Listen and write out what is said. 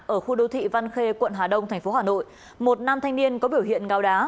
ở khu đô thị văn khê quận hà đông tp hcm một nam thanh niên có biểu hiện ngao đá